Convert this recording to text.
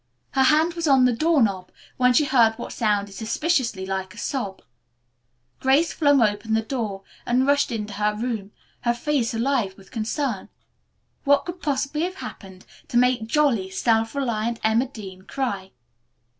Her hand was on the door knob when she heard what sounded suspiciously like a sob. Grace flung open the door and rushed into her room, her face alive with concern. What could possibly have happened to make jolly, self reliant Emma Dean cry?